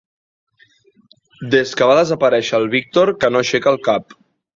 Des que va desaparèixer el Víctor que no aixeca el cap.